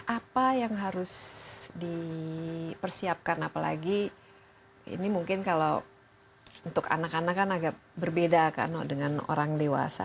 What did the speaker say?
apa yang harus dipersiapkan apalagi ini mungkin kalau untuk anak anak kan agak berbeda kan dengan orang dewasa